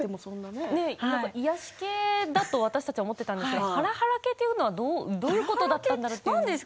癒やし系だと私たちは思っていたんですがはらはら系というのはどういうことだったんだろう。